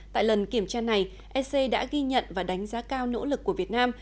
tại lần kiểm tra này ec đã ghi nhận và đánh giá cao nỗ lực của việt nam